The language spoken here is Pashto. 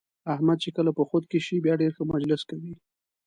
احمد چې کله په خود کې شي بیا ډېر ښه مجلس کوي.